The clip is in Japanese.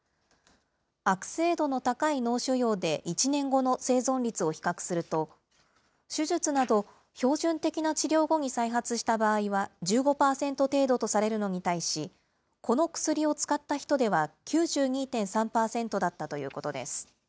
悪性度の高い脳腫瘍で１年後の生存率を比較すると、手術など標準的な治療後に再発した場合は１５％程度とされるのに対し、この薬を使った人では９２．３％だったということです。